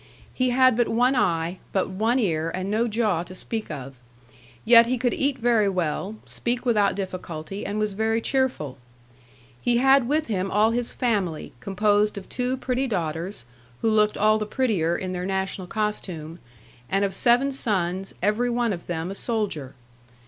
He had but one eye, but one ear, and no jaw to speak of. Yet he could eat very well, speak without difficulty, and was very cheerful. He had with him all his family, composed of two pretty daughters, who looked all the prettier in their national costume, and of seven sons, every one of them a soldier.